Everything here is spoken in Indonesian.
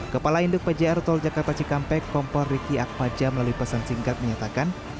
kepala induk pjr tol jakarta cikampek kompor riki akmaja melalui pesan singkat menyatakan